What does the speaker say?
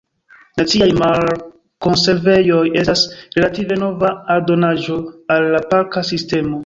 Naciaj Mar-Konservejoj estas relative nova aldonaĵo al la parka sistemo.